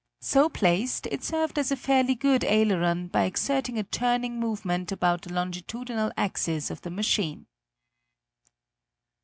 So placed, it served as a fairly good aileron by exerting a turning movement about the longitudinal axis of the machine.